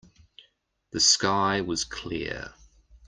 The sky was clear.